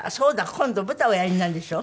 今度舞台をおやりになるんでしょ？